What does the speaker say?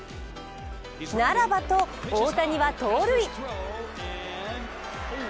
ならばと大谷は盗塁。